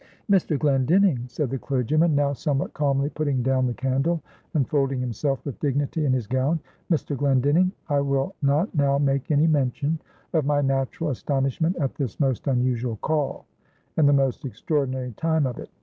"Mr. Glendinning," said the clergyman, now somewhat calmly putting down the candle, and folding himself with dignity in his gown; "Mr. Glendinning, I will not now make any mention of my natural astonishment at this most unusual call, and the most extraordinary time of it.